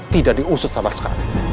tidak diusut sama sekali